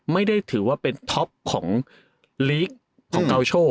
ไม่ได้ถือว่าเป็นท็อปของลีกของเกาโช